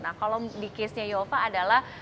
nah kalau di case nya yova adalah